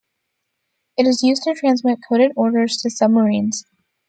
It is used to transmit coded orders to submarines.